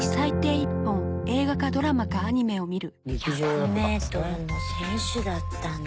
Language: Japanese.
１００ｍの選手だったんだ。